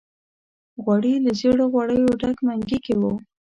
غوړي له زېړو غوړو ډک منګي کې وو.